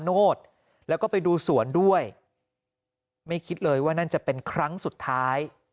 โนธแล้วก็ไปดูสวนด้วยไม่คิดเลยว่านั่นจะเป็นครั้งสุดท้าย